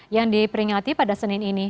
yang diperingati pada senin ini